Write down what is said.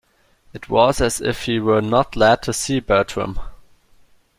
It was as if he were not glad to see Bertram.